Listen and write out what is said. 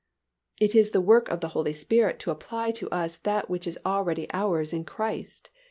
It is the work of the Holy Spirit to apply to us that which is already ours in Christ.